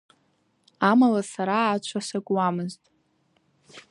Амала сара ацәа сакуамызт.